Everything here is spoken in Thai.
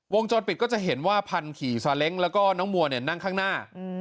จอดปิดก็จะเห็นว่าพันธุ์ขี่ซาเล้งแล้วก็น้องมัวนั่งข้างหน้า